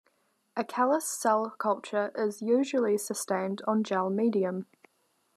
A callus cell culture is usually sustained on gel medium.